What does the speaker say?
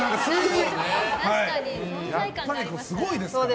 やっぱりすごいですからね